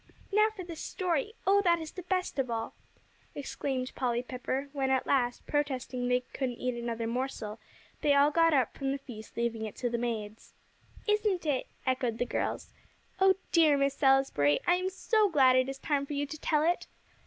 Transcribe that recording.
"Now for the story oh, that is the best of all!" exclaimed Polly Pepper, when at last, protesting that they couldn't eat another morsel, they all got up from the feast, leaving it to the maids. "Isn't it!" echoed the girls. "Oh, dear Miss Salisbury, I am so glad it is time for you to tell it."